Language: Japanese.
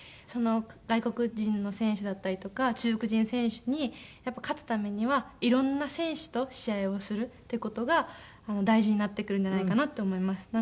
その外国人の選手だったりとか中国人選手にやっぱり勝つためには色んな選手と試合をするっていう事が大事になってくるんじゃないかなって思います。